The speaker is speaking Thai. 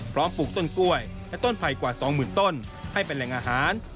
ปลูกต้นกล้วยและต้นไผ่กว่า๒๐๐๐ต้นให้เป็นแหล่งอาหาร